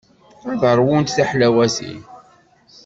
Ad ṛwunt tiḥlawatin.